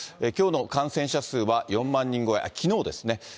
きょうの感染者数は４万人超え、きのうですね。